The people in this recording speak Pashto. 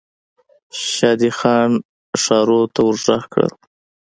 شادي خان ښارو ته ور ږغ کړل.